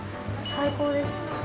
最高です。